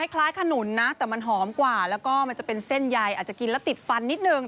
คล้ายขนุนนะแต่มันหอมกว่าแล้วก็มันจะเป็นเส้นใยอาจจะกินแล้วติดฟันนิดนึง